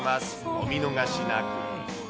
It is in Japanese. お見逃しなく。